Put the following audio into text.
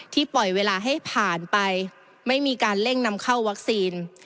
ปล่อยเวลาให้ผ่านไปไม่มีการเร่งนำเข้าวัคซีน